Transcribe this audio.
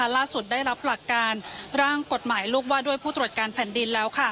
ได้รับหลักการร่างกฎหมายลูกว่าด้วยผู้ตรวจการแผ่นดินแล้ว